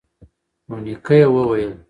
نو نیکه یې وویل